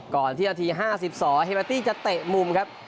ก่อนที่นาทีห้าสิบสองเฮมาตี้จะเตะมุมครับ